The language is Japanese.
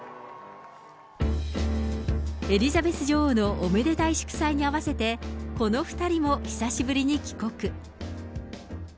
エリザベス女王のおめでたい祝祭に合わせて、この２人も久しぶりに帰国。